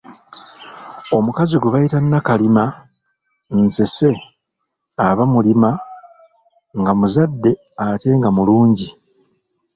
Omukazi gwe bayita Nakalima nseese aba mulima, nga muzadde ate nga mulungi